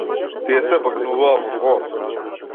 Тие се бакнуваа во дворот.